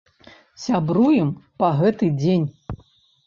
Сябруем па гэты дзень.